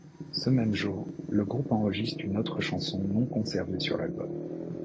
Ce même jour, le groupe enregistre une autre chanson non conservée sur l'album, '.